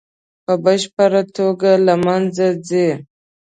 په بشپړه توګه له منځه ځي.